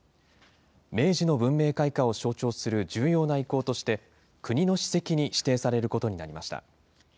明治の文明開化を象徴する重要な遺構として、国の史跡に指定されることになりました。